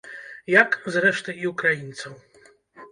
Як, зрэшты, і ўкраінцаў.